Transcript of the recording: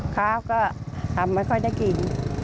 ข้าวก็ทำไม่ค่อยได้กิน